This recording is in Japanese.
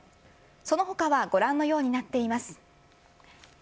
その他はご覧のようになっています。